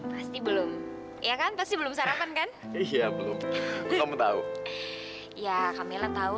pasti belum ya kan pasti belum sarapan kan iya belum belum tahu ya kamela tahu